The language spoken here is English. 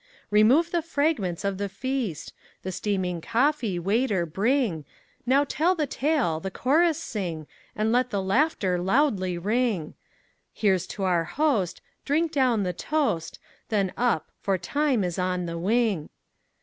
Remove the fragments of the feast! The steaming coffee, waiter, bringNow tell the tale, the chorus sing, And let the laughter loudly ring; Here 's to our host, drink down the toast, Then up! for time is on the wing.